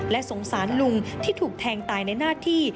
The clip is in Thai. และสงสารลุงที่ถูกแทงตายในหน้าที่